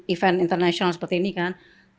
event internasional seperti ini kan